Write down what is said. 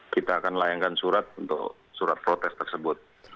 kita akan layankan surat untuk surat protes tersebut